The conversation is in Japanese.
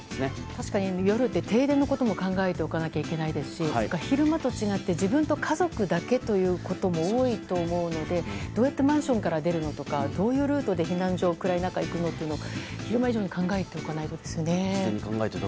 確かに夜で、停電のことも考えておかなければいけないですしそれから昼間と違って自分と家族だけということも多いと思うので、どうやってマンションから出るのかとかどういうルートで避難所暗い中で行くのか昼間以上に考えておかないとですよね。